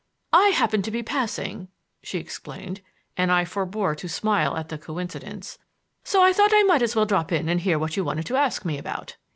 "I happened to be passing," she explained, and I forbore to smile at the coincidence, "so I thought I might as well drop in and hear what you wanted to ask me about."